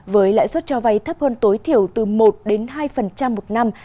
với lãi suất cho vay thấp hơn tối thiểu từ một hai một năm